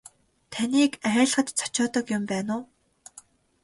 Таныг айлгаж цочоодог юм байна уу.